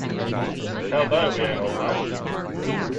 Hell No We Ain't All Right!